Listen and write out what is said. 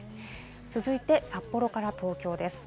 続いて札幌から東京です。